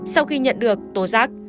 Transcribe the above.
sau khi nhận được tố giác